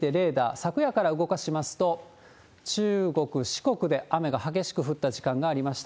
昨夜から動かしますと、中国、四国で雨が激しく降った時間がありました。